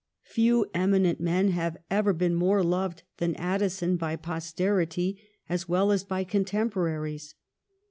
Few eminent men have ever been more loved than Addison by posterity as well as by con temporaries.